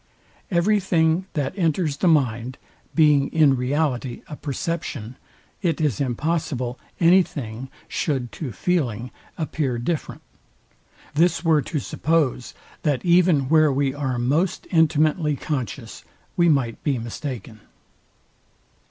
Every thing that enters the mind, being in reality a perception, it is impossible any thing should to feeling appear different. This were to suppose, that even where we are most intimately conscious, we might be mistaken.